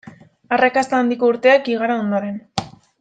Arrakasta handiko urteak igaro ondoren.